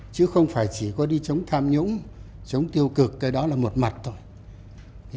chứ không phải chỉ có đi chống tham nhũng chống tiêu cực cái đó là một mặt thôi